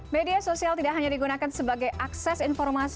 media sosial tidak hanya digunakan sebagai akses informasi